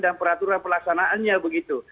dan peraturan pelaksanaannya begitu